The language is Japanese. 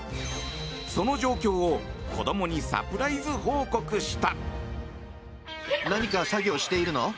その状況を子供にサプライズ報告した。